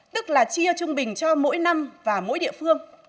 tức là chia trung bình cho mỗi năm và mỗi địa phương